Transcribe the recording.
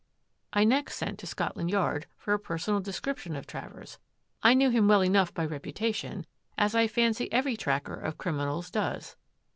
I next sent to Scotland Yard for a personal description of Travers — I knew him well enough by reputation, as I fancy every tracker of criminals does.